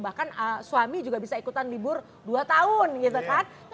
bahkan suami juga bisa ikutan libur dua tahun